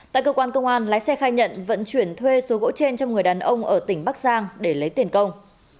tại cơ quan công an lái xe khai nhận vận chuyển thuê số gỗ trên cho người đàn ông ở tỉnh bắc giang để lấy tiền công